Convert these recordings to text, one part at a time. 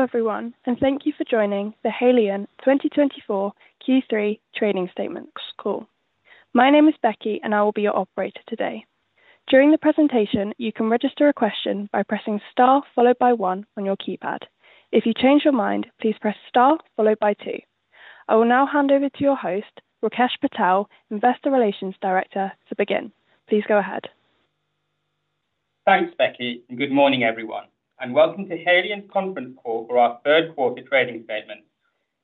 Hello everyone, and thank you for joining the Haleon 2024 Q3 Trading Statement call. My name is Becky, and I will be your operator today. During the presentation, you can register a question by pressing star followed by one on your keypad. If you change your mind, please press star followed by two. I will now hand over to your host, Rakesh Patel, Investor Relations Director, to begin. Please go ahead. Thanks, Becky, and good morning, everyone, and welcome to Haleon's conference call for our third quarter trading statement.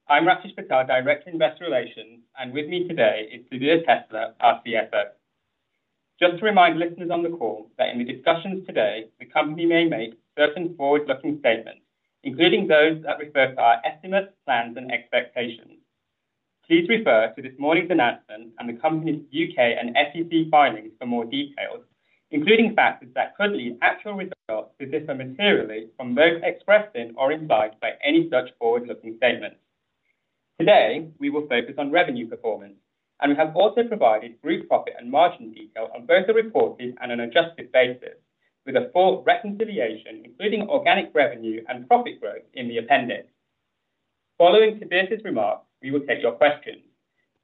I'm Rakesh Patel, Director of Investor Relations, and with me today is Tobias Hestler, our CFO. Just to remind listeners on the call that in the discussions today, the company may make certain forward-looking statements, including those that refer to our estimates, plans, and expectations. Please refer to this morning's announcement and the company's UK and SEC filings for more details, including factors that could lead actual results to differ materially from those expressed in or implied by any such forward-looking statements. Today, we will focus on revenue performance, and we have also provided group profit and margin detail on both a reported and an adjusted basis, with a full reconciliation, including organic revenue and profit growth, in the appendix. Following Tobias's remarks, we will take your questions.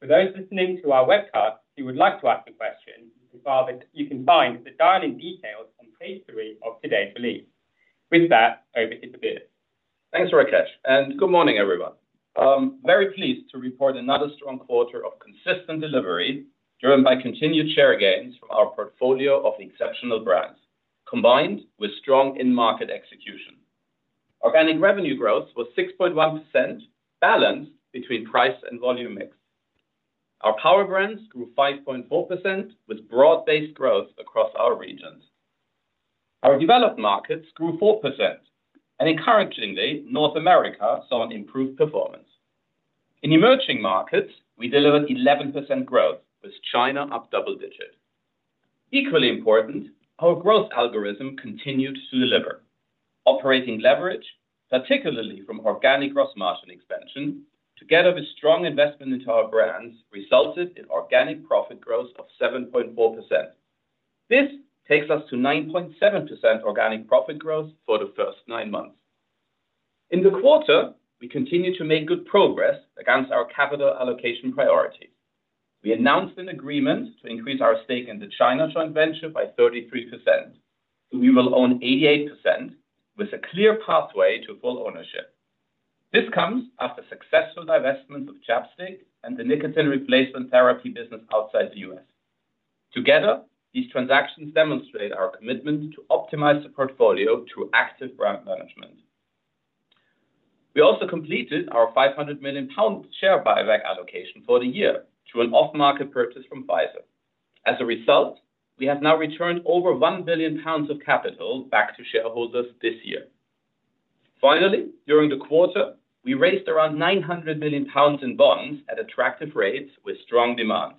For those listening to our webcast who would like to ask a question, you can find the dial-in details on page three of today's release. With that, over to Tobias. Thanks, Rakesh, and good morning everyone. I'm very pleased to report another strong quarter of consistent delivery driven by continued share gains from our portfolio of exceptional brands, combined with strong in-market execution. Organic revenue growth was 6.1%, balanced between price and volume mix. Our power brands grew 5.4%, with broad-based growth across our regions. Our developed markets grew 4%, and encouragingly, North America saw an improved performance. In emerging markets, we delivered 11% growth, with China up double-digits. Equally important, our growth algorithm continued to deliver. Operating leverage, particularly from organic gross margin expansion, together with strong divestment into our brands, resulted in organic profit growth of 7.4%. This takes us to 9.7% organic profit growth for the first nine months. In the quarter, we continue to make good progress against our capital allocation priorities. We announced an agreement to increase our stake in the China joint venture by 33%, so we will own 88%, with a clear pathway to full ownership. This comes after successful divestments of ChapStick and the nicotine replacement therapy business outside the U.S. Together, these transactions demonstrate our commitment to optimize the portfolio through active brand management. We also completed our 500 million pound share buyback allocation for the year through an off-market purchase from Pfizer. As a result, we have now returned over 1 billion pounds of capital back to shareholders this year. Finally, during the quarter, we raised around 900 million pounds in bonds at attractive rates with strong demands.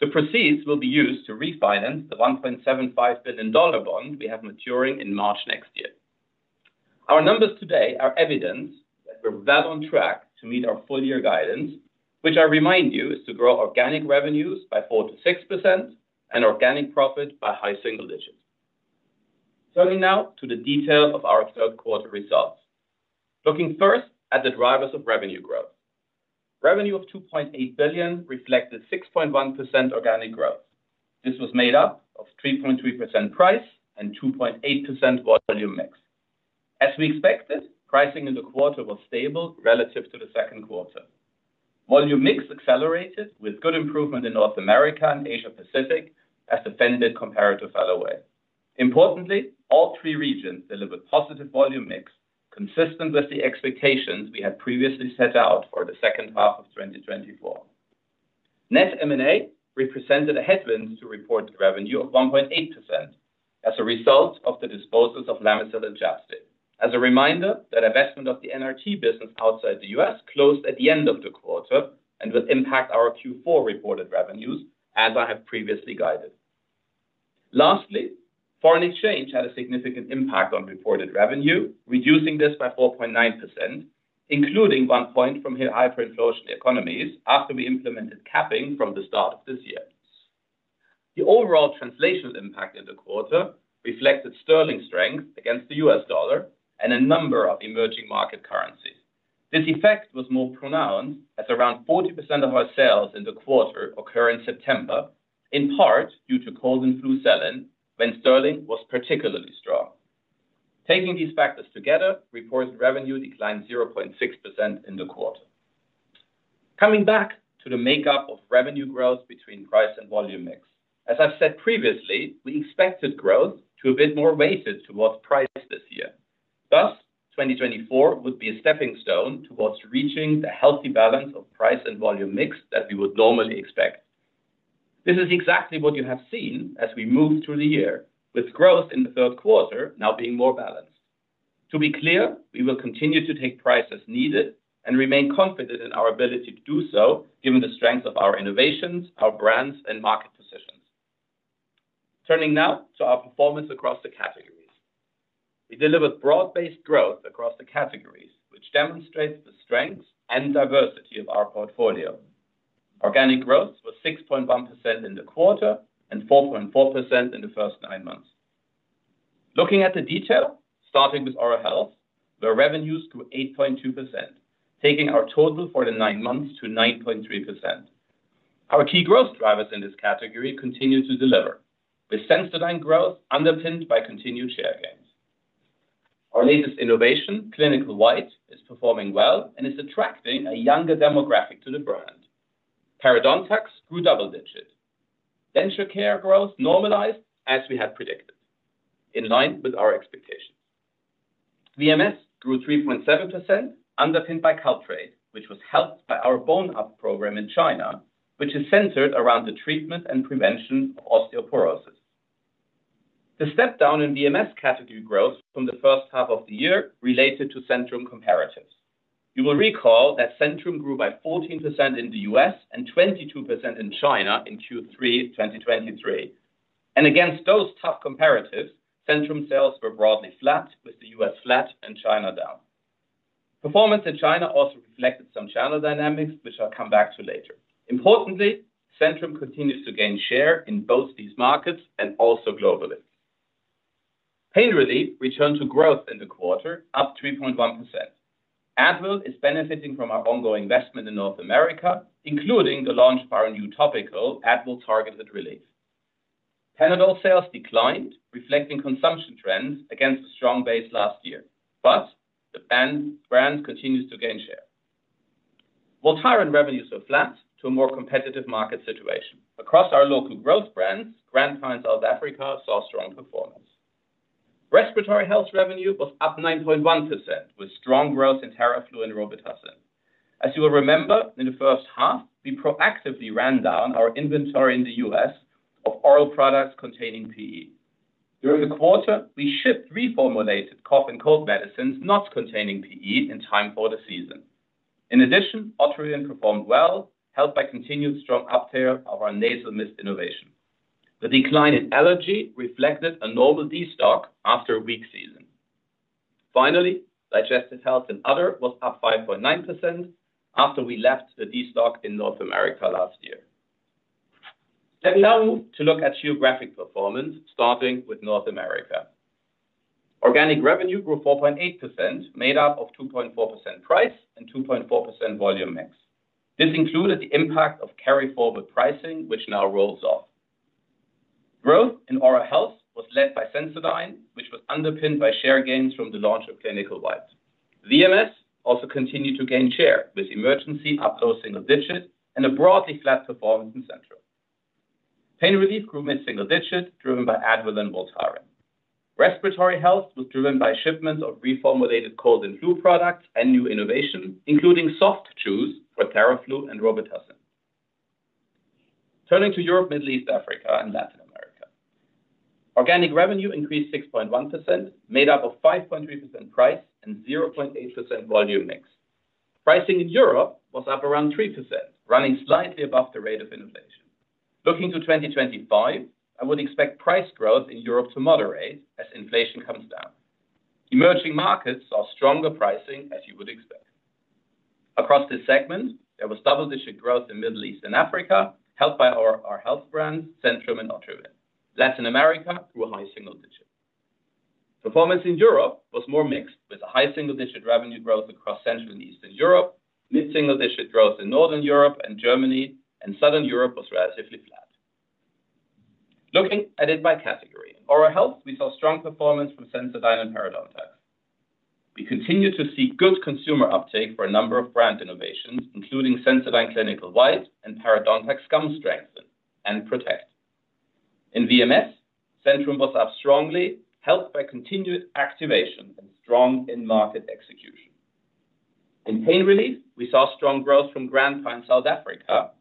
The proceeds will be used to refinance the $1.75 billion bond we have maturing in March next year. Our numbers today are evidence that we're well on track to meet our full-year guidance, which I remind you is to grow organic revenues by 4%-6% and organic profit by high single digits. Turning now to the detail of our third quarter results, looking first at the drivers of revenue growth. Revenue of 2.8 billion reflected 6.1% organic growth. This was made up of 3.3% price and 2.8% volume mix. As we expected, pricing in the quarter was stable relative to the second quarter. Volume mix accelerated with good improvement in North America and Asia-Pacific, as Fenbid comparative other way. Importantly, all three regions delivered positive volume mix, consistent with the expectations we had previously set out for the second half of 2024. Net M&A represented a headwind to reported revenue of 1.8% as a result of the disposals of Lamisil and ChapStick. As a reminder, that divestment of the NRT business outside the U.S. closed at the end of the quarter and will impact our Q4 reported revenues, as I have previously guided. Lastly, foreign exchange had a significant impact on reported revenue, reducing this by 4.9%, including one point from higher inflation economies after we implemented capping from the start of this year. The overall translational impact in the quarter reflected sterling strength against the U.S. dollar and a number of emerging market currencies. This effect was more pronounced as around 40% of our sales in the quarter occurred in September, in part due to cold and flu selling when sterling was particularly strong. Taking these factors together, reported revenue declined 0.6% in the quarter. Coming back to the makeup of revenue growth between price and volume mix, as I've said previously, we expected growth to have been more weighted towards price this year. Thus, 2024 would be a stepping stone towards reaching the healthy balance of price and volume mix that we would normally expect. This is exactly what you have seen as we move through the year, with growth in the third quarter now being more balanced. To be clear, we will continue to take price as needed and remain confident in our ability to do so given the strength of our innovations, our brands, and market positions. Turning now to our performance across the categories, we delivered broad-based growth across the categories, which demonstrates the strength and diversity of our portfolio. Organic growth was 6.1% in the quarter and 4.4% in the first nine months. Looking at the detail, starting with oral health, where revenues grew 8.2%, taking our total for the nine months to 9.3%. Our key growth drivers in this category continue to deliver, with Sensodyne-driven growth underpinned by continued share gains. Our latest innovation, Clinical White, is performing well and is attracting a younger demographic to the brand. Parodontax grew double-digit. Dental care growth normalized as we had predicted, in line with our expectations. VMS grew 3.7%, underpinned by Caltrate, which was helped by our Bone-up program in China, which is centered around the treatment and prevention of osteoporosis. The step down in VMS category growth from the first half of the year related to Centrum comparatives. You will recall that Centrum grew by 14% in the U.S. and 22% in China in Q3 2023. And against those tough comparatives, Centrum sales were broadly flat, with the U.S. flat and China down. Performance in China also reflected some channel dynamics, which I'll come back to later. Importantly, Centrum continues to gain share in both these markets and also globally. Pain Relief returned to growth in the quarter, up 3.1%. Advil is benefiting from our ongoing divestment in North America, including the launch of our new topical Advil Targeted Relief. Panadol sales declined, reflecting consumption trends against a strong base last year, but the brand continues to gain share. Voltaren revenues were flat to a more competitive market situation. Across our local growth brands, Grand-Pa South Africa saw strong performance. Respiratory health revenue was up 9.1%, with strong growth in Theraflu and Robitussin. As you will remember, in the first half, we proactively ran down our inventory in the U.S. of oral products containing PE. During the quarter, we shipped reformulated cough and cold medicines not containing PE in time for the season. In addition, Otrivin performed well, helped by continued strong uptake of our nasal mist innovation. The decline in allergy reflected a normal destock after a weak season. Finally, Digestive Health and Other was up 5.9% after we left the destock in North America last year. Let me now move to look at geographic performance, starting with North America. Organic revenue grew 4.8%, made up of 2.4% price and 2.4% volume mix. This included the impact of carry-forward pricing, which now rolls off. Growth in oral health was led by Sensodyne, which was underpinned by share gains from the launch of Clinical White. VMS also continued to gain share with Emergen-C up single digit and a broadly flat performance in Centrum. Pain Relief grew mid-single digit, driven by Advil and Voltaren. Respiratory health was driven by shipments of reformulated cold and flu products and new innovations, including soft chews for Theraflu and Robitussin. Turning to Europe, Middle East, Africa, and Latin America, organic revenue increased 6.1%, made up of 5.3% price and 0.8% volume mix. Pricing in Europe was up around 3%, running slightly above the rate of inflation. Looking to 2025, I would expect price growth in Europe to moderate as inflation comes down. Emerging markets saw stronger pricing, as you would expect. Across this segment, there was double-digit growth in the Middle East and Africa, helped by our health brands, Centrum and Otrivin. Latin America grew high single digit. Performance in Europe was more mixed, with a high single-digit revenue growth across Central and Eastern Europe. Mid-single digit growth in Northern Europe and Germany, and Southern Europe was relatively flat. Looking at it by category, in oral health, we saw strong performance from Sensodyne and Parodontax. We continued to see good consumer uptake for a number of brand innovations, including Sensodyne Clinical White and Parodontax Gum Strengthen and Protect. In VMS, Centrum was up strongly, helped by continued activation and strong in-market execution. In Pain Relief, we saw strong growth from Grand-Pa South Africa,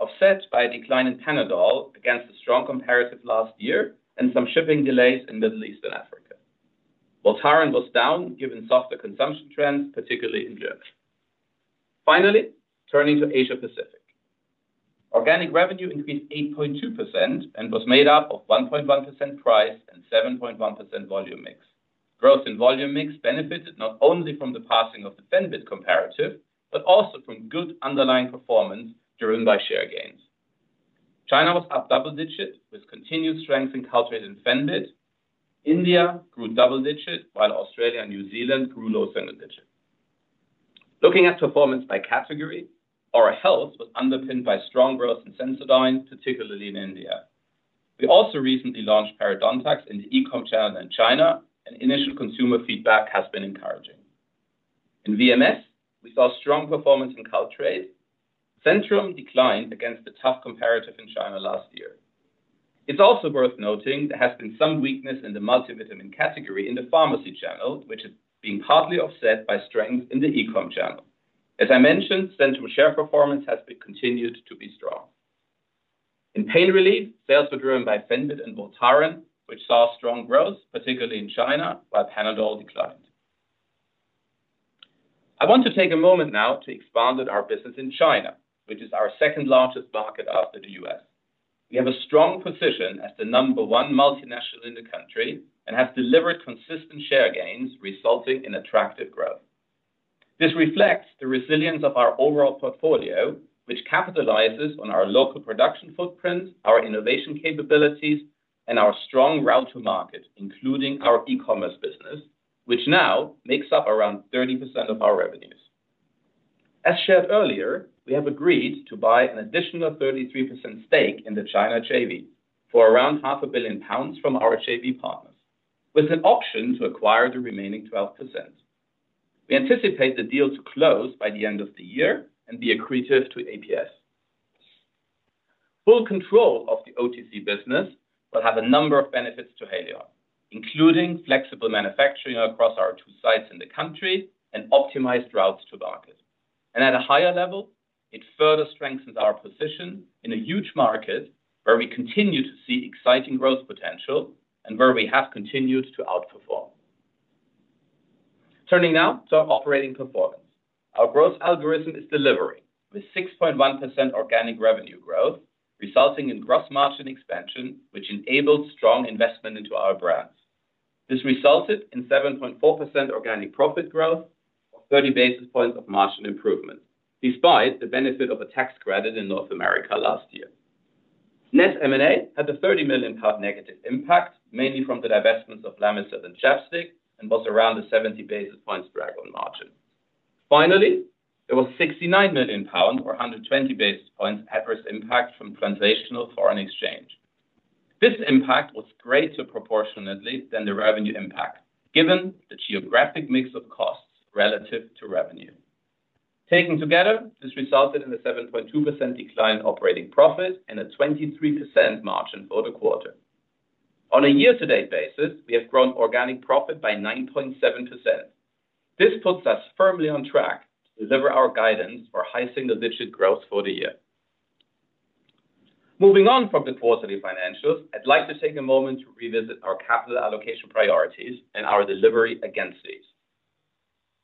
offset by a decline in Panadol against a strong comparative last year and some shipping delays in Middle East and Africa. Voltaren was down, given softer consumption trends, particularly in Germany. Finally, turning to Asia-Pacific, organic revenue increased 8.2% and was made up of 1.1% price and 7.1% volume mix. Growth in volume mix benefited not only from the passing of the Fenbid comparative, but also from good underlying performance driven by share gains. China was up double-digit, with continued strength in Caltrate and Fenbid. India grew double-digit, while Australia and New Zealand grew low single digit. Looking at performance by category, oral health was underpinned by strong growth in Sensodyne, particularly in India. We also recently launched Parodontax in the e-com channel in China, and initial consumer feedback has been encouraging. In VMS, we saw strong performance in Caltrate. Centrum declined against the tough comparative in China last year. It's also worth noting there has been some weakness in the multivitamin category in the pharmacy channel, which is being partly offset by strength in the e-com channel. As I mentioned, Centrum's share performance has continued to be strong. In Pain Relief, sales were driven by Fenbid and Voltaren, which saw strong growth, particularly in China, while Panadol declined. I want to take a moment now to expand on our business in China, which is our second largest market after the US. We have a strong position as the number one multinational in the country and have delivered consistent share gains, resulting in attractive growth. This reflects the resilience of our overall portfolio, which capitalizes on our local production footprint, our innovation capabilities, and our strong route to market, including our e-commerce business, which now makes up around 30% of our revenues. As shared earlier, we have agreed to buy an additional 33% stake in the China JV for around £500 million from our JV partners, with an option to acquire the remaining 12%. We anticipate the deal to close by the end of the year and be accretive to EPS. Full control of the OTC business will have a number of benefits to Haleon, including flexible manufacturing across our two sites in the country and optimized routes to market. And at a higher level, it further strengthens our position in a huge market where we continue to see exciting growth potential and where we have continued to outperform. Turning now to our operating performance, our growth algorithm is delivering, with 6.1% organic revenue growth resulting in gross margin expansion, which enabled strong divestment into our brands. This resulted in 7.4% organic profit growth, 30 basis points of margin improvement, despite the benefit of a tax credit in North America last year. Net M&A had a 30 million pound negative impact, mainly from the divestments of Lamisil and ChapStick, and was around a 70 basis points drag on margin. Finally, there was 69 million pounds or 120 basis points adverse impact from translational foreign exchange. This impact was greater proportionately than the revenue impact, given the geographic mix of costs relative to revenue. Taken together, this resulted in a 7.2% decline in operating profit and a 23% margin for the quarter. On a year-to-date basis, we have grown organic profit by 9.7%. This puts us firmly on track to deliver our guidance for high single-digit growth for the year. Moving on from the quarterly financials, I'd like to take a moment to revisit our capital allocation priorities and our delivery against these.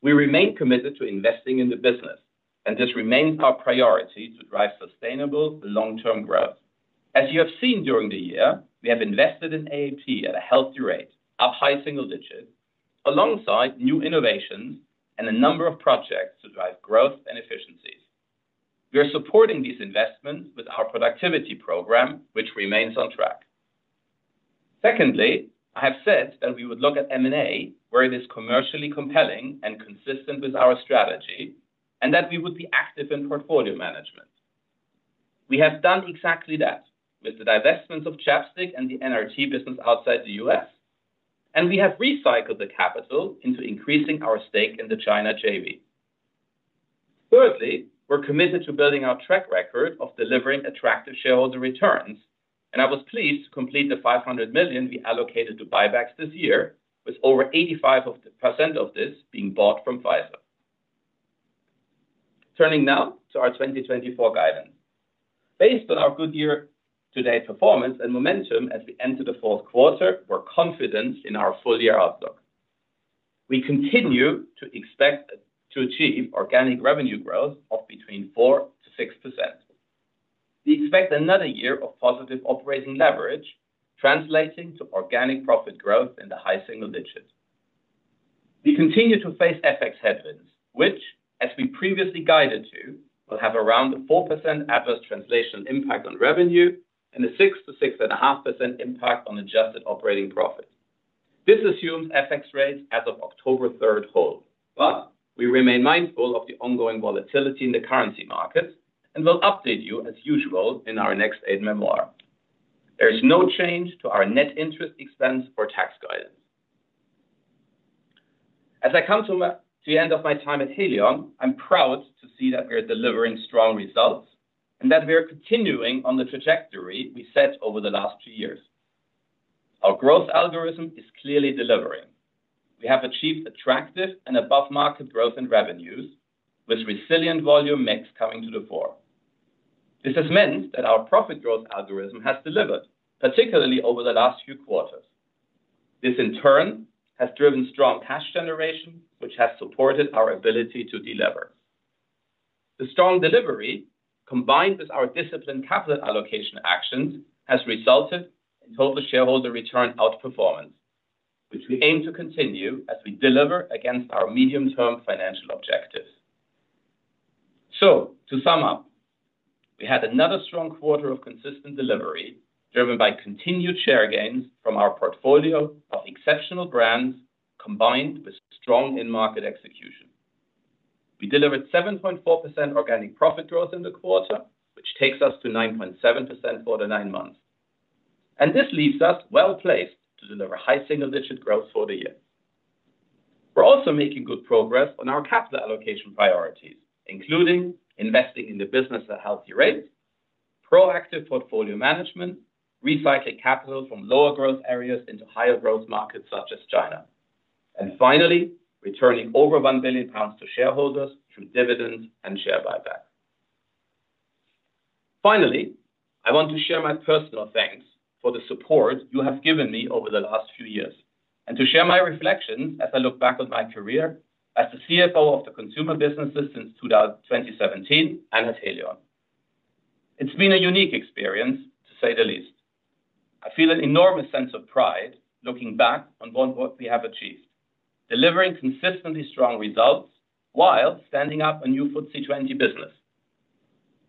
We remain committed to investing in the business, and this remains our priority to drive sustainable long-term growth. As you have seen during the year, we have invested in A&P at a healthy rate of high single digit alongside new innovations and a number of projects to drive growth and efficiencies. We are supporting these divestments with our productivity program, which remains on track. Secondly, I have said that we would look at M&A where it is commercially compelling and consistent with our strategy, and that we would be active in portfolio management. We have done exactly that with the divestments of ChapStick and the NRT business outside the U.S., and we have recycled the capital into increasing our stake in the China JV. Thirdly, we're committed to building our track record of delivering attractive shareholder returns, and I was pleased to complete the 500 million we allocated to buybacks this year, with over 85% of this being bought from Pfizer. Turning now to our 2024 guidance, based on our good year-to-date performance and momentum as we enter the fourth quarter, we're confident in our full year outlook. We continue to expect to achieve organic revenue growth of between 4%-6%. We expect another year of positive operating leverage, translating to organic profit growth in the high single digit. We continue to face FX headwinds, which, as we previously guided to, will have around a 4% adverse translational impact on revenue and a 6%-6.5% impact on adjusted operating profit. This assumes FX rates as of October 3rd hold, but we remain mindful of the ongoing volatility in the currency markets and will update you as usual in our next aide-mémoire. There is no change to our net interest expense or tax guidance. As I come to the end of my time at Haleon, I'm proud to see that we are delivering strong results and that we are continuing on the trajectory we set over the last two years. Our growth algorithm is clearly delivering. We have achieved attractive and above-market growth in revenues, with resilient volume mix coming to the fore. This has meant that our profit growth algorithm has delivered, particularly over the last few quarters. This, in turn, has driven strong cash generation, which has supported our ability to deliver. The strong delivery, combined with our disciplined capital allocation actions, has resulted in total shareholder return outperformance, which we aim to continue as we deliver against our medium-term financial objectives. So, to sum up, we had another strong quarter of consistent delivery driven by continued share gains from our portfolio of exceptional brands, combined with strong in-market execution. We delivered 7.4% organic profit growth in the quarter, which takes us to 9.7% for the nine months. And this leaves us well placed to deliver high single-digit growth for the year. We're also making good progress on our capital allocation priorities, including investing in the business at healthy rates, proactive portfolio management, recycling capital from lower growth areas into higher growth markets such as China, and finally, returning over 1 billion pounds to shareholders through dividends and share buybacks. Finally, I want to share my personal thanks for the support you have given me over the last few years and to share my reflections as I look back on my career as the CFO of the consumer businesses since 2017 and at Haleon. It's been a unique experience, to say the least. I feel an enormous sense of pride looking back on what we have achieved, delivering consistently strong results while standing up a new FTSE 100 business.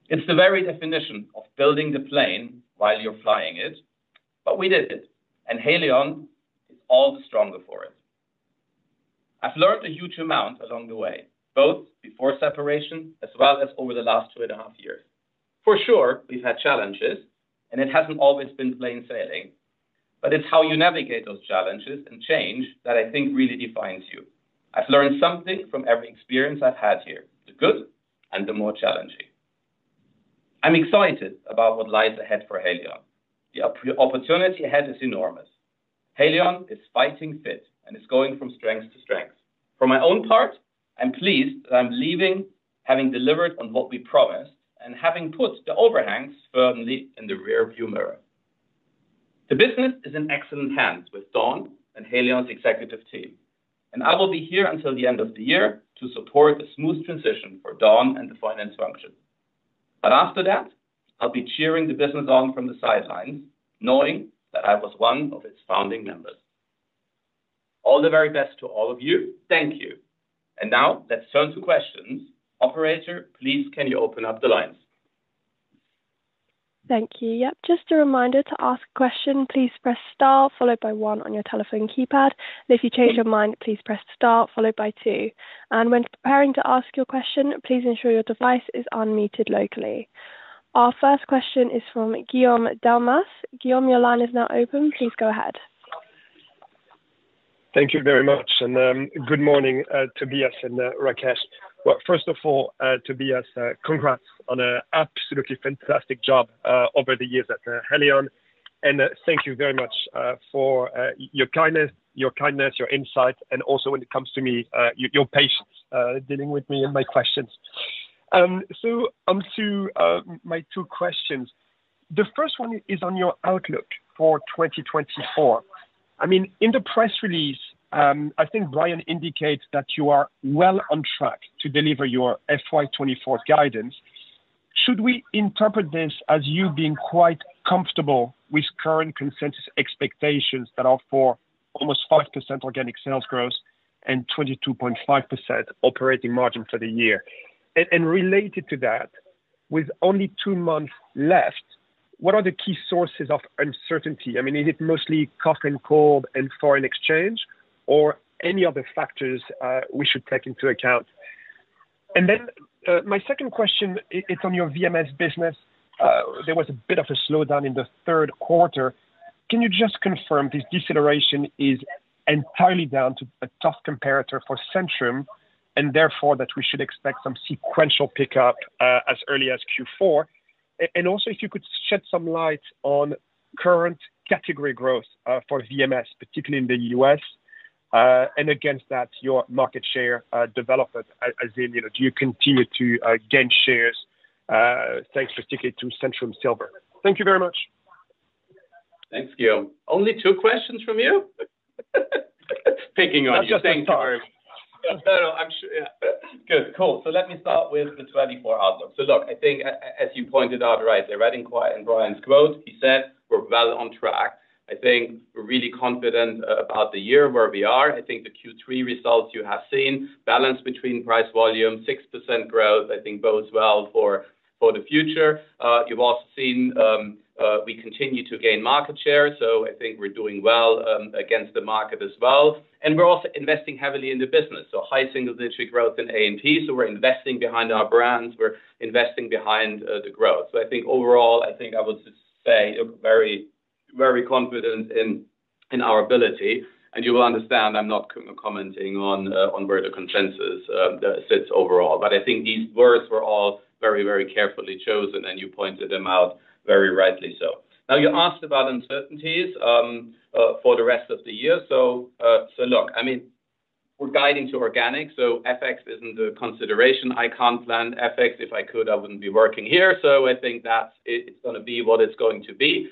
It's the very definition of building the plane while you're flying it, but we did it, and Haleon is all the stronger for it. I've learned a huge amount along the way, both before separation as well as over the last two and a half years. For sure, we've had challenges, and it hasn't always been plain sailing, but it's how you navigate those challenges and change that I think really defines you. I've learned something from every experience I've had here, the good and the more challenging. I'm excited about what lies ahead for Haleon. The opportunity ahead is enormous. Haleon is fighting fit and is going from strength to strength. For my own part, I'm pleased that I'm leaving having delivered on what we promised and having put the overhangs firmly in the rearview mirror. The business is in excellent hands with Dawn and Haleon's executive team, and I will be here until the end of the year to support a smooth transition for Dawn and the finance function. But after that, I'll be cheering the business on from the sidelines, knowing that I was one of its founding members. All the very best to all of you. Thank you. And now let's turn to questions. Operator, please, can you open up the lines? Thank you. Yep, just a reminder to ask a question. Please press star, followed by one on your telephone keypad. And if you change your mind, please press star, followed by Two. And when preparing to ask your question, please ensure your device is unmuted locally. Our first question is from Guillaume Delmas. Guillaume, your line is now open. Please go ahead. Thank you very much. And good morning Tobias and Rakesh. Well, first of all, Tobias, congrats on an absolutely fantastic job over the years at Haleon. Thank you very much for your kindness, your insight, and also when it comes to me, your patience dealing with me and my questions. So on to my two questions. The first one is on your outlook for 2024. I mean, in the press release, I think Brian indicated that you are well on track to deliver your FY24 guidance. Should we interpret this as you being quite comfortable with current consensus expectations that are for almost 5% organic sales growth and 22.5% operating margin for the year? And related to that, with only two months left, what are the key sources of uncertainty? I mean, is it mostly cough, cold, and foreign exchange, or any other factors we should take into account? And then my second question, it's on your VMS business. There was a bit of a slowdown in the third quarter. Can you just confirm this deceleration is entirely down to a tough comparator for Centrum and therefore that we should expect some sequential pickup as early as Q4? And also, if you could shed some light on current category growth for VMS, particularly in the U.S., and against that, your market share development as in, do you continue to gain shares? Thanks for sticking to Centrum Silver. Thank you very much. Thanks, Guillaume. Only two questions from you? Picking on you. I'm just saying sorry. No, no, I'm sure. Yeah. Good. Cool. So let me start with the 2024 outlook. So look, I think, as you pointed out right there, right in Brian's quote, he said, "We're well on track." I think we're really confident about the year where we are. I think the Q3 results you have seen, balance between price volume, 6% growth, I think bodes well for the future. You've also seen we continue to gain market share, so I think we're doing well against the market as well, and we're also investing heavily in the business, so high single-digit growth in A&P, so we're investing behind our brands. We're investing behind the growth, so I think overall, I think I would say very, very confident in our ability, and you will understand I'm not commenting on where the consensus sits overall, but I think these words were all very, very carefully chosen, and you pointed them out very rightly, so now you asked about uncertainties for the rest of the year, so look, I mean, we're guiding to organic, so FX isn't a consideration. I can't plan FX. If I could, I wouldn't be working here. So I think that it's going to be what it's going to be.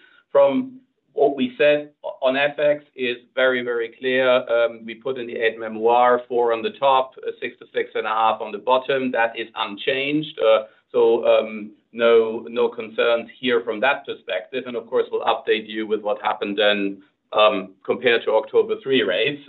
From what we said on FX is very, very clear. We put in the aide-memoire, four on the top, six to six and a half on the bottom. That is unchanged. So no concerns here from that perspective. And of course, we'll update you with what happened then compared to October 3 rates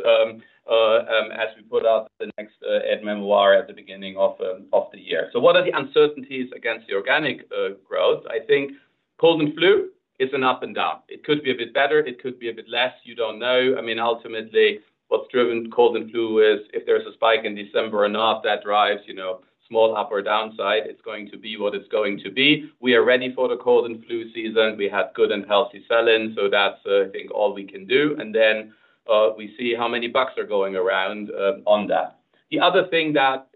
as we put out the next aide-memoire at the beginning of the year. So what are the uncertainties against the organic growth? I think cold and flu is an up and down. It could be a bit better. It could be a bit less. You don't know. I mean, ultimately, what's driven cold and flu is if there's a spike in December or not, that drives small up or downside. It's going to be what it's going to be. We are ready for the cold and flu season. We have good and healthy sell-in. So that's, I think, all we can do. And then we see how many bugs are going around on that. The other thing that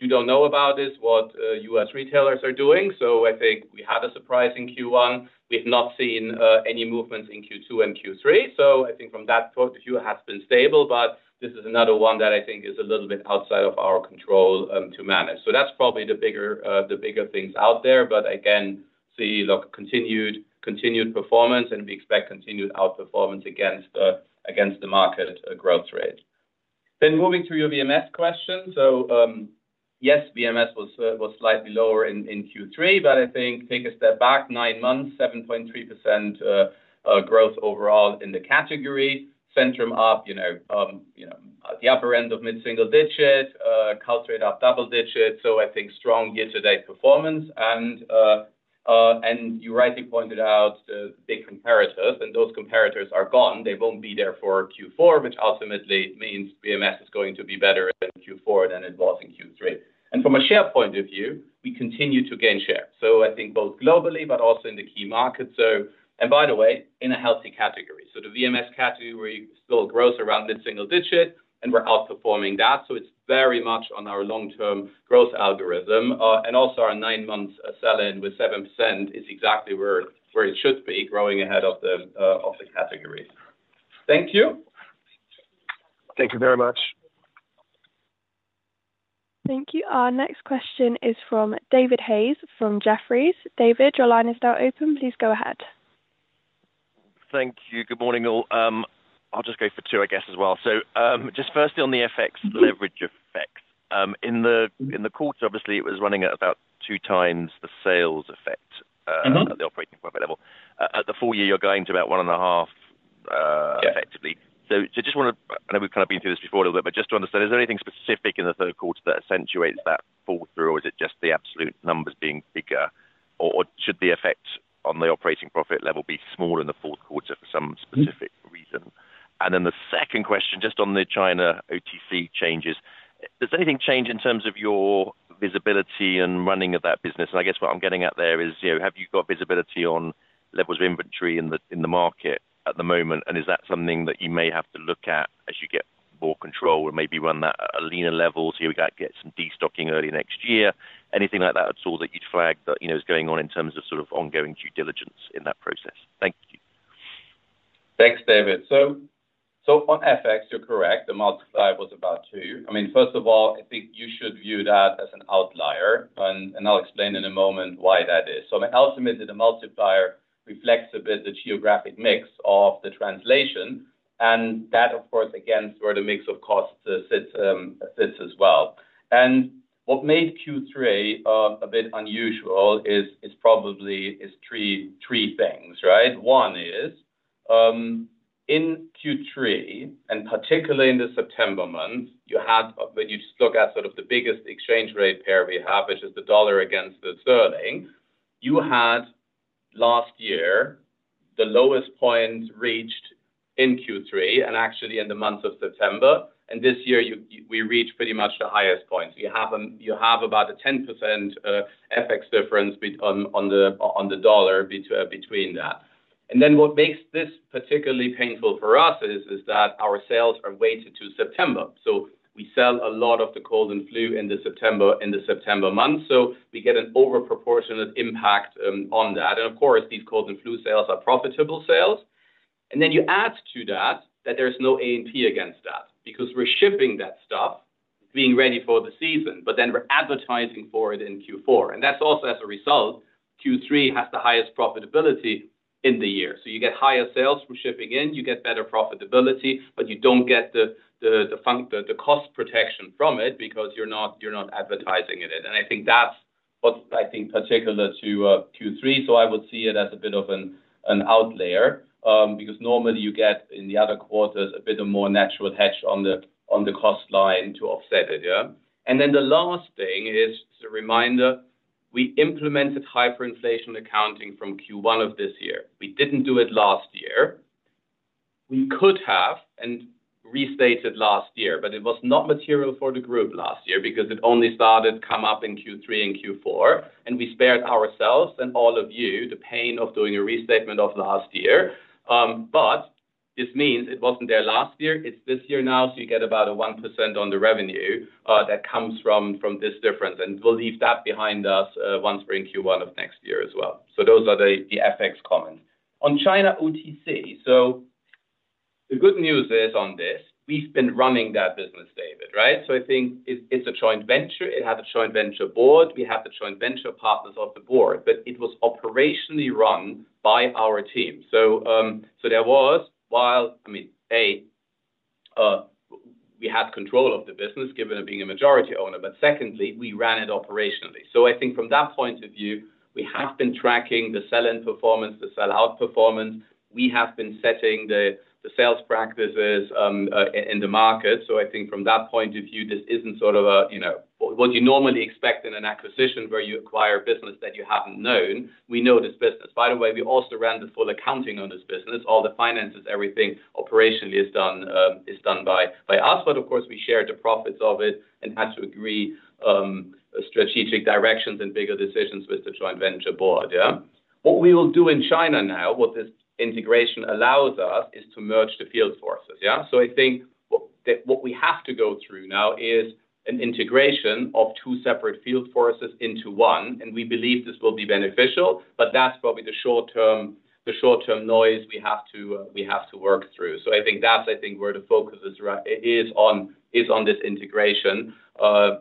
you don't know about is what US retailers are doing. So I think we had a surprising Q1. We've not seen any movements in Q2 and Q3. So I think from that point of view, it has been stable. But this is another one that I think is a little bit outside of our control to manage. So that's probably the bigger things out there. But again, see, look, continued performance, and we expect continued outperformance against the market growth rate. Then moving to your VMS question. So yes, VMS was slightly lower in Q3, but I think, take a step back, nine months, 7.3% growth overall in the category. Centrum up, you know, at the upper end of mid-single-digit, Caltrate up double-digit. So I think strong year-to-date performance, and you rightly pointed out the big comparators, and those comparators are gone. They won't be there for Q4, which ultimately means VMS is going to be better in Q4 than it was in Q3, and from a share point of view, we continue to gain share. So I think both globally, but also in the key markets, and by the way, in a healthy category. So the VMS category still grows around mid-single-digit, and we're outperforming that. So it's very much on our long-term growth algorithm, and also our nine-month sell-in with 7% is exactly where it should be, growing ahead of the categories. Thank you. Thank you very much. Thank you. Our next question is from David Hayes from Jefferies. David, your line is now open. Please go ahead. Thank you. Good morning, all. I'll just go for two, I guess, as well. So just firstly on the FX leverage effects. In the quarter, obviously, it was running at about two times the sales effect at the operating profit level. At the full year, you're going to about one and a half, effectively. So just want to, I know we've kind of been through this before a little bit, but just to understand, is there anything specific in the third quarter that accentuates that flow-through, or is it just the absolute numbers being bigger, or should the effect on the operating profit level be smaller in the fourth quarter for some specific reason? And then the second question, just on the China OTC changes, does anything change in terms of your visibility and running of that business? And I guess what I'm getting at there is, have you got visibility on levels of inventory in the market at the moment, and is that something that you may have to look at as you get more control and maybe run that at a leaner level so you get some destocking early next year? Anything like that at all that you'd flag that is going on in terms of sort of ongoing due diligence in that process? Thank you. Thanks, David. So on FX, you're correct. The multiplier was about two. I mean, first of all, I think you should view that as an outlier, and I'll explain in a moment why that is. So I mean, ultimately, the multiplier reflects a bit the geographic mix of the translation, and that, of course, against where the mix of costs sits as well. And what made Q3 a bit unusual is probably three things, right? One is, in Q3, and particularly in the September months, you had, when you just look at sort of the biggest exchange rate pair we have, which is the dollar against the sterling, you had last year the lowest point reached in Q3 and actually in the month of September, and this year we reached pretty much the highest point. So you have about a 10% FX difference on the dollar between that. And then what makes this particularly painful for us is that our sales are weighted to September. So we sell a lot of the cold and flu in the September months, so we get an overproportionate impact on that. And of course, these cold and flu sales are profitable sales. And then you add to that that there's no A&P against that because we're shipping that stuff, being ready for the season, but then we're advertising for it in Q4. And that's also, as a result, Q3 has the highest profitability in the year. So you get higher sales from shipping in, you get better profitability, but you don't get the cost protection from it because you're not advertising it. And I think that's what's, I think, particular to Q3. So I would see it as a bit of an outlier because normally you get, in the other quarters, a bit of more natural hedge on the cost line to offset it. And then the last thing is a reminder. We implemented hyperinflation accounting from Q1 of this year. We didn't do it last year. We could have restated last year, but it was not material for the group last year because it only started to come up in Q3 and Q4, and we spared ourselves and all of you the pain of doing a restatement of last year. But this means it wasn't there last year. It's this year now, so you get about a 1% on the revenue that comes from this difference, and we'll leave that behind us once we're in Q1 of next year as well. So those are the FX comments. On China OTC, so the good news is on this, we've been running that business, David, right? So I think it's a joint venture. It has a joint venture board. We have the joint venture partners on the board, but it was operationally run by our team. So there was, I mean, A, we had control of the business given it being a majority owner, but secondly, we ran it operationally. So I think from that point of view, we have been tracking the sell-in performance, the sell-out performance. We have been setting the sales practices in the market. So I think from that point of view, this isn't sort of what you normally expect in an acquisition where you acquire a business that you haven't known. We know this business. By the way, we also ran the full accounting on this business. All the finances, everything operationally is done by us, but of course, we shared the profits of it and had to agree on strategic directions and bigger decisions with the joint venture board. What we will do in China now, what this integration allows us, is to merge the field forces. So I think what we have to go through now is an integration of two separate field forces into one, and we believe this will be beneficial, but that's probably the short-term noise we have to work through. So I think that's, I think, where the focus is on this integration,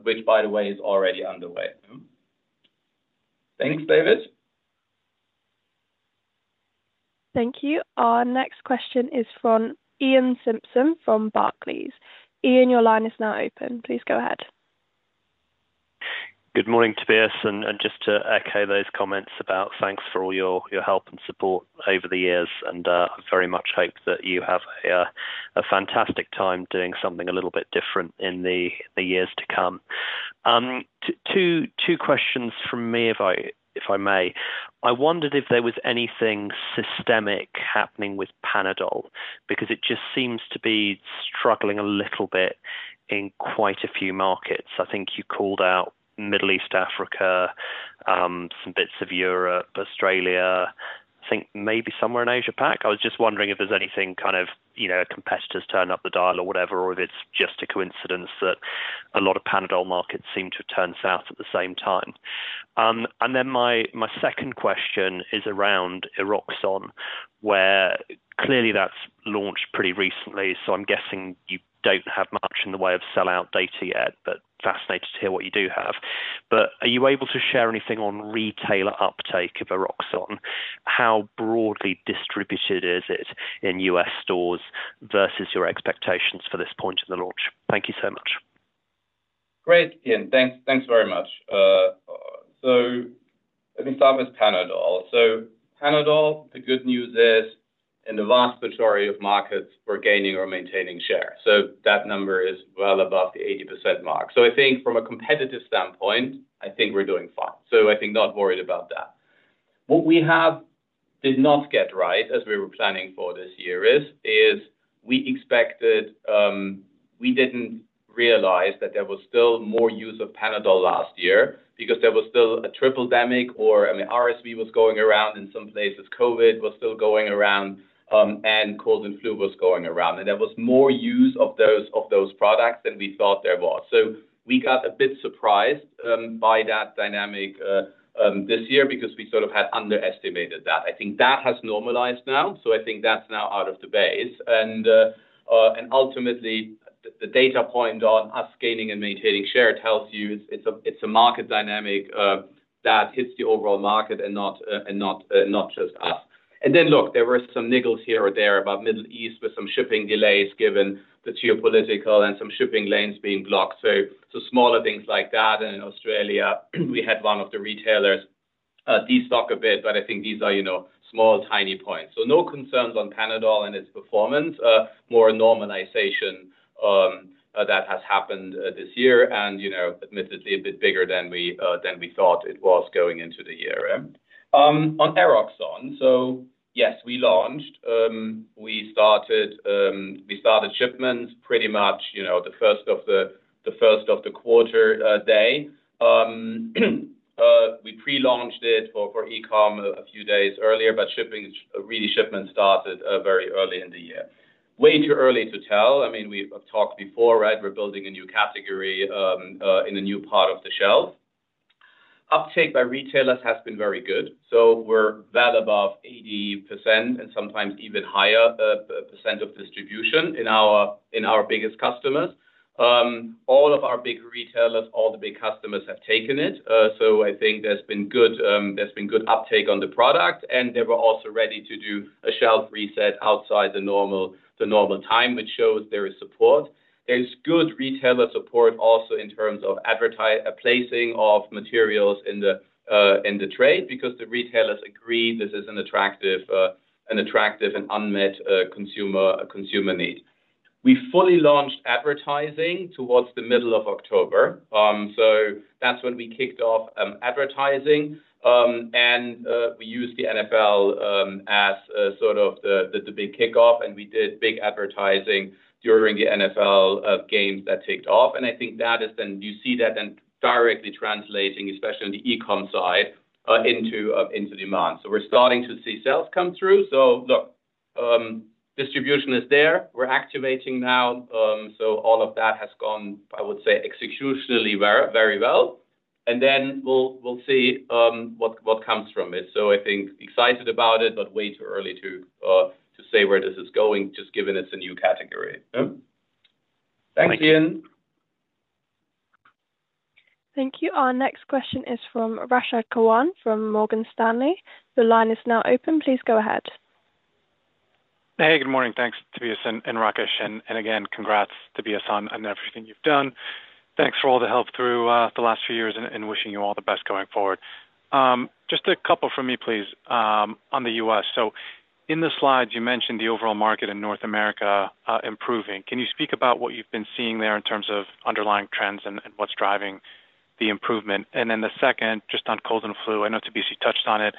which, by the way, is already underway. Thanks, David. Thank you. Our next question is from Iain Simpson from Barclays. Iain, your line is now open. Please go ahead. Good morning, Tobias. And just to echo those comments about thanks for all your help and support over the years, and I very much hope that you have a fantastic time doing something a little bit different in the years to come. Two questions from me, if I may. I wondered if there was anything systemic happening with Panadol because it just seems to be struggling a little bit in quite a few markets. I think you called out Middle East, Africa, some bits of Europe, Australia, I think maybe somewhere in Asia-Pac. I was just wondering if there's anything kind of competitors turn up the dial or whatever, or if it's just a coincidence that a lot of Panadol markets seem to have turned south at the same time. And then my second question is around Eroxon, where clearly that's launched pretty recently, so I'm guessing you don't have much in the way of sell-out data yet, but fascinated to hear what you do have. But are you able to share anything on retailer uptake of Eroxon? How broadly distributed is it in US stores versus your expectations for this point of the launch? Thank you so much. Great, Iain. Thanks very much. So let me start with Panadol. So Panadol, the good news is, in the vast majority of markets, we're gaining or maintaining share. So that number is well above the 80% mark. So I think from a competitive standpoint, I think we're doing fine. So I think not worried about that. What we did not get right as we were planning for this year is we expected we didn't realize that there was still more use of Panadol last year because there was still a Triple-demic, or I mean, RSV was going around in some places, COVID was still going around, and cold and flu was going around. And there was more use of those products than we thought there was. So we got a bit surprised by that dynamic this year because we sort of had underestimated that. I think that has normalized now. So I think that's now out of the base. And ultimately, the data point on us gaining and maintaining share tells you it's a market dynamic that hits the overall market and not just us. And then, look, there were some niggles here or there about Middle East with some shipping delays given the geopolitical and some shipping lanes being blocked. So smaller things like that. And in Australia, we had one of the retailers destock a bit, but I think these are small, tiny points. So no concerns on Panadol and its performance, more a normalization that has happened this year, and admittedly, a bit bigger than we thought it was going into the year. On Eroxon, so yes, we launched. We started shipments pretty much the first of the quarter day. We pre-launched it for e-comm a few days earlier, but really, shipments started very early in the year. Way too early to tell. I mean, we've talked before, right? We're building a new category in a new part of the shelf. Uptake by retailers has been very good. So we're well above 80% and sometimes even higher percent of distribution in our biggest customers. All of our big retailers, all the big customers have taken it. So I think there's been good uptake on the product, and they were also ready to do a shelf reset outside the normal time, which shows there is support. There's good retailer support also in terms of advertising placing of materials in the trade because the retailers agree this is an attractive and unmet consumer need. We fully launched advertising towards the middle of October. So that's when we kicked off advertising, and we used the NFL as sort of the big kickoff, and we did big advertising during the NFL games that kicked off. And I think that is then you see that then directly translating, especially on the e-comm side, into demand. So we're starting to see sales come through. So, look, distribution is there. We're activating now. So all of that has gone, I would say, executionally very well. And then we'll see what comes from it. So I think excited about it, but way too early to say where this is going, just given it's a new category. Thanks, Iain. Thank you. Our next question is from Rashad Kawan from Morgan Stanley. Your line is now open. Please go ahead. Hey, good morning. Thanks, Tobias and Rakesh. And again, congrats, Tobias, on everything you've done. Thanks for all the help through the last few years and wishing you all the best going forward. Just a couple from me, please, on the U.S. So in the slides, you mentioned the overall market in North America improving. Can you speak about what you've been seeing there in terms of underlying trends and what's driving the improvement? And then the second, just on cold and flu, I know Tobias you touched on it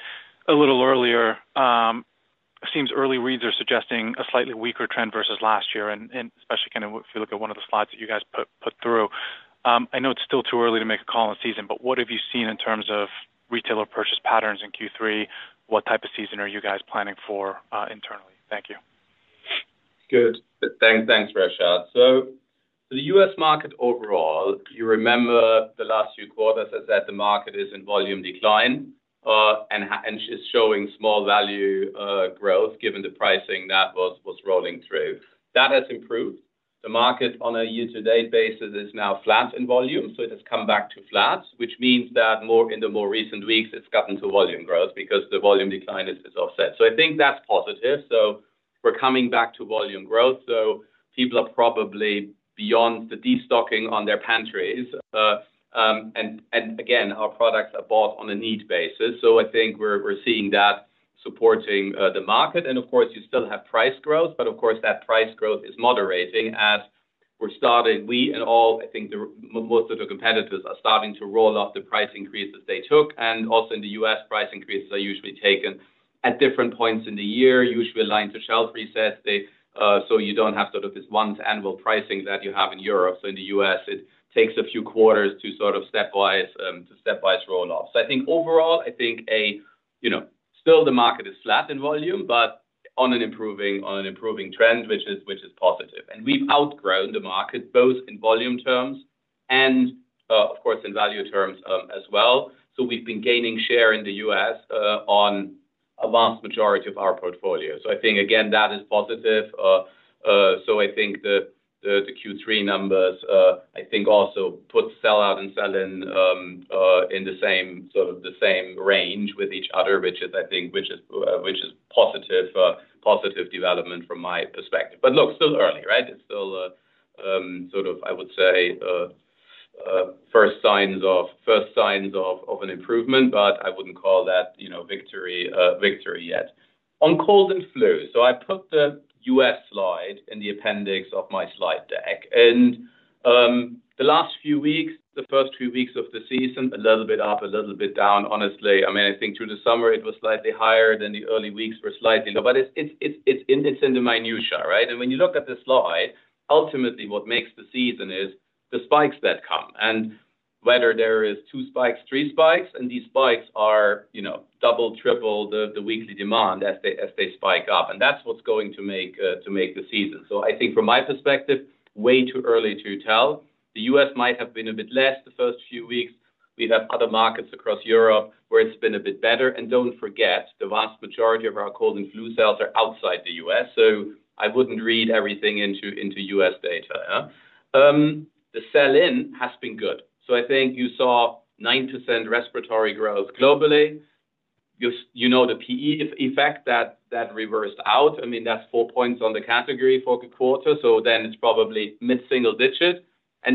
a little earlier. It seems early reads are suggesting a slightly weaker trend versus last year, and especially kind of if you look at one of the slides that you guys put through. I know it's still too early to make a call on season, but what have you seen in terms of retailer purchase patterns in Q3? What type of season are you guys planning for internally? Thank you. Good. Thanks, Rashad. The U.S. market overall, you remember the last few quarters, as I said, the market is in volume decline and is showing small value growth given the pricing that was rolling through. That has improved. The market on a year-to-date basis is now flat in volume, so it has come back to flat, which means that in the more recent weeks, it's gotten to volume growth because the volume decline is offset. I think that's positive. We're coming back to volume growth. People are probably beyond the destocking on their pantries. Again, our products are bought on a need basis. I think we're seeing that supporting the market. And of course, you still have price growth, but of course, that price growth is moderating as we're starting, we and all, I think most of the competitors are starting to roll off the price increases they took. And also in the U.S., price increases are usually taken at different points in the year, usually aligned to shelf resets. So you don't have sort of this one-to-annual pricing that you have in Europe. So in the U.S., it takes a few quarters to sort of stepwise roll off. So I think overall, I think still the market is flat in volume, but on an improving trend, which is positive. And we've outgrown the market both in volume terms and, of course, in value terms as well. So we've been gaining share in the U.S. on a vast majority of our portfolio. So I think, again, that is positive. So, I think the Q3 numbers. I think also put sell-out and sell-in in the same sort of the same range with each other, which is, I think, which is positive development from my perspective. But look, still early, right? It's still sort of, I would say, first signs of an improvement, but I wouldn't call that victory yet. On cold and flu, so I put the U.S. slide in the appendix of my slide deck. And the last few weeks, the first few weeks of the season, a little bit up, a little bit down, honestly. I mean, I think through the summer, it was slightly higher than the early weeks were slightly lower, but it's in the minutia, right? When you look at the slide, ultimately, what makes the season is the spikes that come and whether there are two spikes, three spikes, and these spikes are double, triple the weekly demand as they spike up. That's what's going to make the season. I think from my perspective, way too early to tell. The U.S. might have been a bit less the first few weeks. We have other markets across Europe where it's been a bit better. Don't forget, the vast majority of our cold and flu sales are outside the U.S. I wouldn't read everything into U.S. data. The sell-in has been good. I think you saw 9% respiratory growth globally. You know the PE effect that reversed out. I mean, that's four points on the category for the quarter. Then it's probably mid-single digit.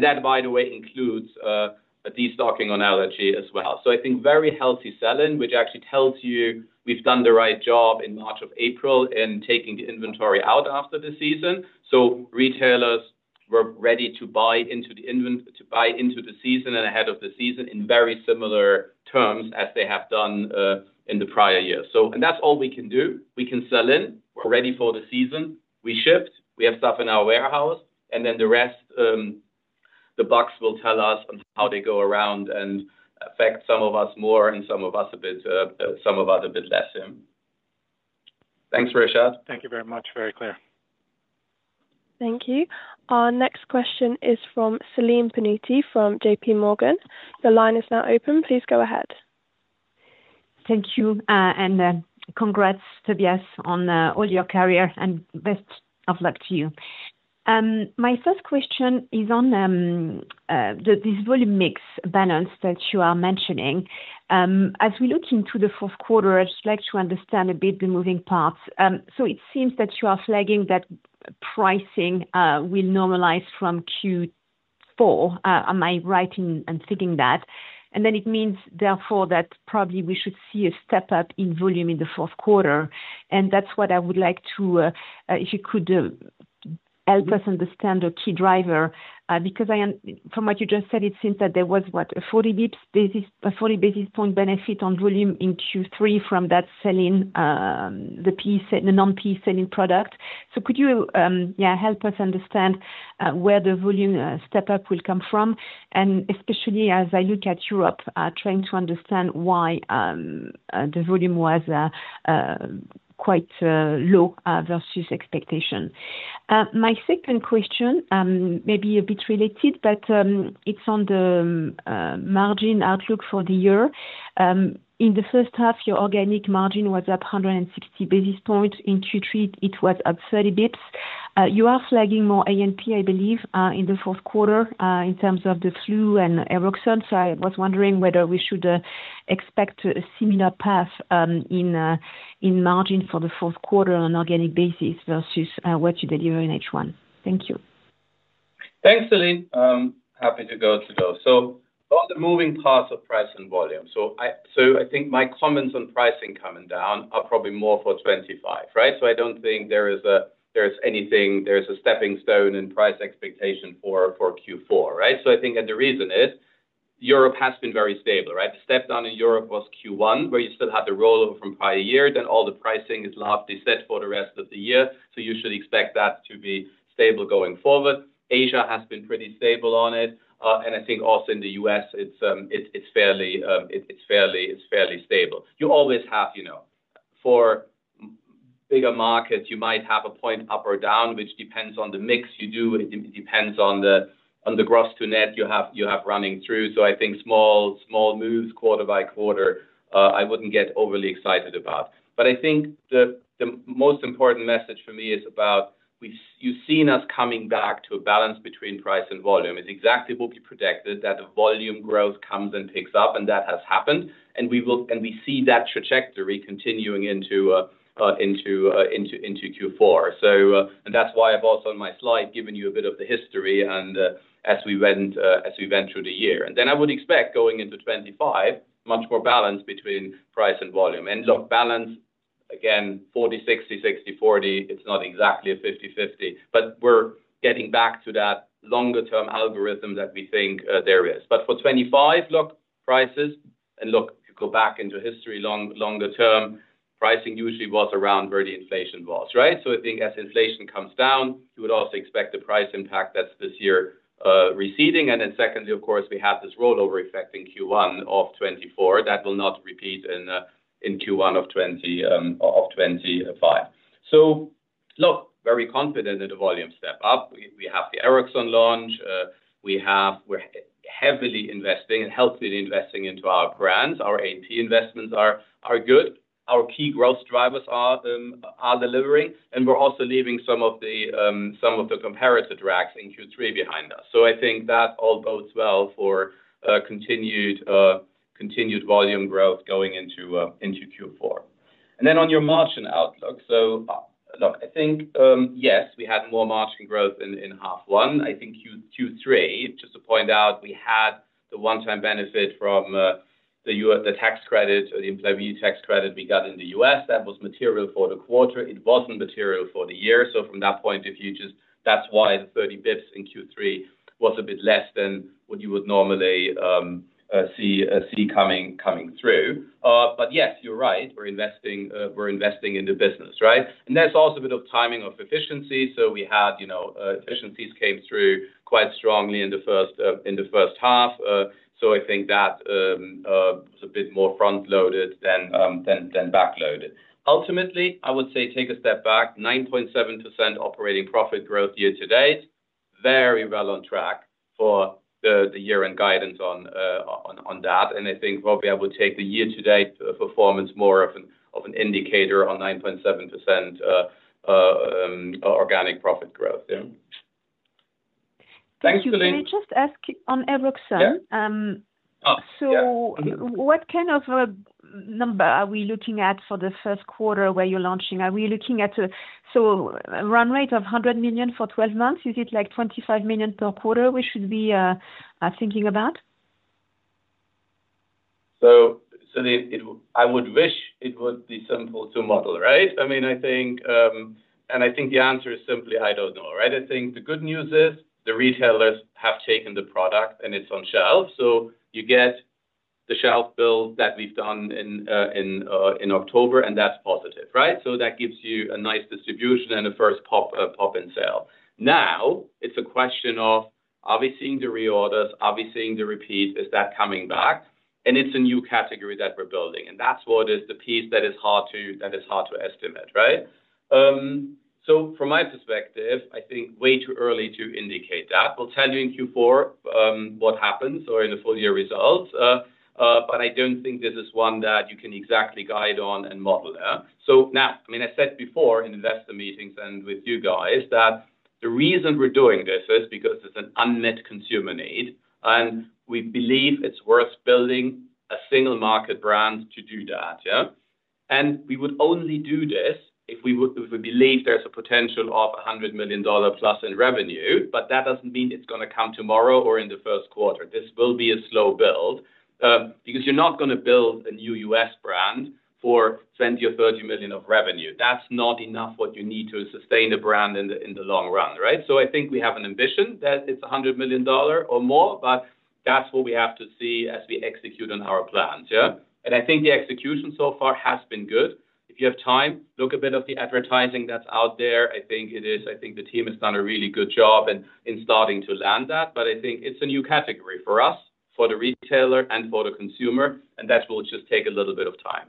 That, by the way, includes destocking on allergy as well. So I think very healthy sell-in, which actually tells you we've done the right job in March of April in taking the inventory out after the season. Retailers were ready to buy into the season and ahead of the season in very similar terms as they have done in the prior year. That's all we can do. We can sell in. We're ready for the season. We shift. We have stuff in our warehouse. Then the rest, the bucks will tell us on how they go around and affect some of us more and some of us a bit less. Thanks, Rashad. Thank you very much. Very clear. Thank you. Our next question is from Celine Pannuti from J.P. Morgan. The line is now open. Please go ahead. Thank you. And congrats, Tobias, on all your career and best of luck to you. My first question is on this volume mix balance that you are mentioning. As we look into the fourth quarter, I'd like to understand a bit the moving parts. So it seems that you are flagging that pricing will normalize from Q4. Am I right in thinking that? And then it means, therefore, that probably we should see a step up in volume in the fourth quarter. And that's what I would like to, if you could, help us understand a key driver because from what you just said, it seems that there was, what, a 40 basis points benefit on volume in Q3 from that sell-in, the non-PE sell-in product. So could you, yeah, help us understand where the volume step-up will come from? And especially as I look at Europe, trying to understand why the volume was quite low versus expectation. My second question, maybe a bit related, but it's on the margin outlook for the year. In the first half, your organic margin was up 160 basis points. In Q3, it was up 30 basis points. You are flagging more A&P, I believe, in the fourth quarter in terms of the flu and Eroxon. So I was wondering whether we should expect a similar path in margin for the fourth quarter on organic basis versus what you deliver in H1. Thank you. Thanks, Celine. Happy to go to those. So on the moving parts of price and volume, so I think my comments on pricing coming down are probably more for 25, right? So I don't think there is anything that is a stepping stone in price expectation for Q4, right? So I think the reason is Europe has been very stable, right? The step-down in Europe was Q1, where you still had the rollover from prior year. Then all the pricing is largely set for the rest of the year. So you should expect that to be stable going forward. Asia has been pretty stable on it. And I think also in the U.S., it's fairly stable. You always have for bigger markets, you might have a point up or down, which depends on the mix you do. It depends on the gross-to-net you have running through. So I think small moves quarter by quarter, I wouldn't get overly excited about. But I think the most important message for me is about you've seen us coming back to a balance between price and volume. It's exactly what we predicted, that the volume growth comes and picks up, and that has happened. And we see that trajectory continuing into Q4. And that's why I've also on my slide given you a bit of the history as we went through the year. And then I would expect going into 2025, much more balance between price and volume. And look, balance, again, 40, 60, 60, 40. It's not exactly a 50/50, but we're getting back to that longer-term algorithm that we think there is. But for 2025, look, prices. And look, if you go back into history, longer-term pricing usually was around where the inflation was, right? So I think as inflation comes down, you would also expect the price impact that's this year receding. And then secondly, of course, we have this rollover effect in Q1 of 2024 that will not repeat in Q1 of 2025. So look, very confident in the volume step-up. We have the Eroxon launch. We're heavily investing and healthily investing into our brands. Our A&P divestments are good. Our key growth drivers are delivering. And we're also leaving some of the comparator drags in Q3 behind us. So I think that all bodes well for continued volume growth going into Q4. And then on your margin outlook, so look, I think, yes, we had more margin growth in half one. I think Q3, just to point out, we had the one-time benefit from the tax credit or the employee tax credit we got in the U.S. That was material for the quarter. It wasn't material for the year. So from that point of view, just that's why the 30 basis points in Q3 was a bit less than what you would normally see coming through. But yes, you're right. We're investing in the business, right? And there's also a bit of timing of efficiency. So we had efficiencies came through quite strongly in the first half. So I think that was a bit more front-loaded than back-loaded. Ultimately, I would say take a step back, 9.7% operating profit growth year-to-date, very well on track for the year-end guidance on that. And I think probably I would take the year-to-date performance more of an indicator on 9.7% organic profit growth. Yeah. Thank you, Celine. Can I just ask on Eroxon? So what kind of number are we looking at for the first quarter where you're launching? Are we looking at a run rate of 100 million for 12 months? Is it like 25 million per quarter, which we should be thinking about? So I would wish it would be simple to model, right? I mean, I think, and I think the answer is simply, I don't know, right? I think the good news is the retailers have taken the product and it's on shelf. So you get the shelf build that we've done in October, and that's positive, right? So that gives you a nice distribution and a first pop in sale. Now, it's a question of, are we seeing the reorders? Are we seeing the repeat? Is that coming back? And it's a new category that we're building. And that's what is the piece that is hard to estimate, right? So from my perspective, I think way too early to indicate that. We'll tell you in Q4 what happens or in the full year results. But I don't think this is one that you can exactly guide on and model. So now, I mean, I said before in investor meetings and with you guys that the reason we're doing this is because it's an unmet consumer need. And we believe it's worth building a single market brand to do that. And we would only do this if we believe there's a potential of $100 million plus in revenue. But that doesn't mean it's going to come tomorrow or in the first quarter. This will be a slow build because you're not going to build a new US brand for $20 million or $30 million of revenue. That's not enough, what you need to sustain a brand in the long run, right? So I think we have an ambition that it's $100 million or more, but that's what we have to see as we execute on our plans. And I think the execution so far has been good. If you have time, look a bit of the advertising that's out there. I think it is. I think the team has done a really good job in starting to land that. But I think it's a new category for us, for the retailer and for the consumer, and that will just take a little bit of time.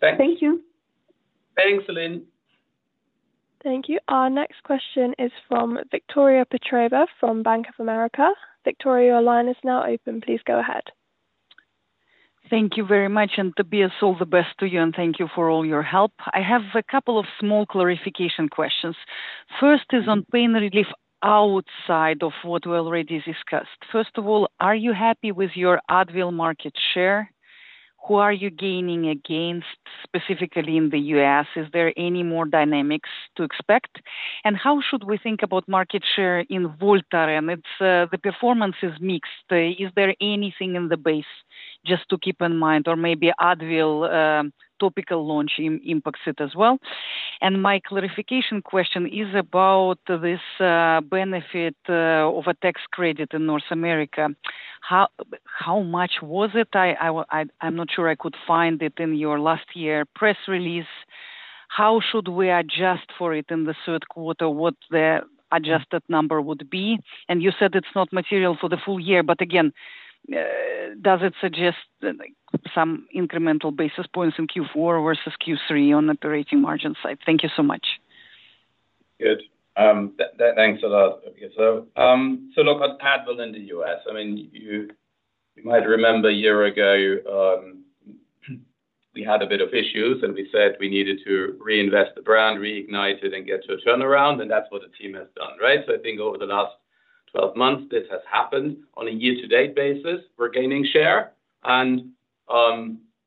Thanks. Thank you. Thanks, Celine. Thank you. Our next question is from Victoria Petrova from Bank of America. Victoria, your line is now open. Please go ahead. Thank you very much. And Tobias, all the best to you. And thank you for all your help. I have a couple of small clarification questions. First is on pain relief outside of what we already discussed. First of all, are you happy with your Advil market share? Who are you gaining against specifically in the U.S.? Is there any more dynamics to expect? How should we think about market share in Voltaren? The performance is mixed. Is there anything in the base just to keep in mind? Or maybe Advil topical launch impacts it as well? And my clarification question is about this benefit of a tax credit in North America. How much was it? I'm not sure I could find it in your last year press release. How should we adjust for it in the third quarter, what the adjusted number would be? And you said it's not material for the full year. But again, does it suggest some incremental basis points in Q4 versus Q3 on operating margin side? Thank you so much. Good. Thanks a lot. So look, on Advil in the U.S., I mean, you might remember a year ago we had a bit of issues, and we said we needed to reinvest the brand, reignite it, and get to a turnaround. And that's what the team has done, right? So I think over the last 12 months, this has happened. On a year-to-date basis, we're gaining share. And